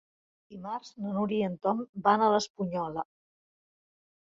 Dimarts na Núria i en Tom van a l'Espunyola.